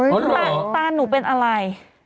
รีหรอค่ะตอนหนูเป็นอะไร